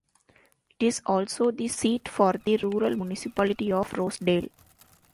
It is also the seat for the rural municipality of Rosedale.